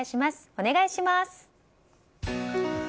お願いします。